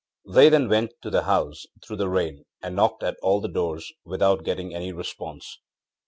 They then went to the house, through the rain, and knocked at all the doors without getting any response.